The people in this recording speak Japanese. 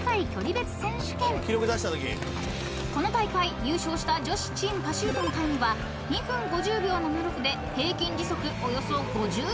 ［この大会優勝した女子チームパシュートのタイムは２分５０秒７６で平均時速およそ５１キロ］